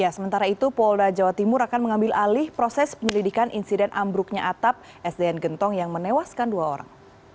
sementara itu polda jawa timur akan mengambil alih proses penyelidikan insiden ambruknya atap sdn gentong yang menewaskan dua orang